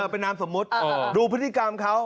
เป็นนามสมมุติดูพฤติกรรมเขา